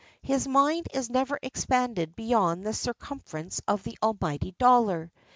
His mind is never expanded beyond the circumference of the almighty dollar.